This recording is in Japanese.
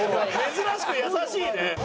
珍しく優しいね。